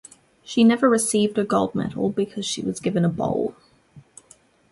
She never received a gold medal because she was given a bowl.